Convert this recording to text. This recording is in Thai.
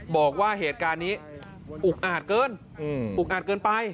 บอกว่าเหตุการณ์นี้อุกอาจเกินอุกอาจเกินไป